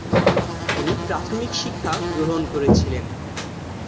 তিনি প্রাথমিক শিক্ষা গ্রহণ করেছিলেন।